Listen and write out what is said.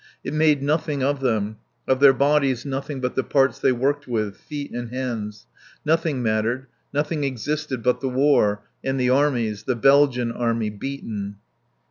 It made nothing of them, of their bodies nothing but the parts they worked with: feet and hands. Nothing mattered, nothing existed but the war, and the armies, the Belgian army, beaten.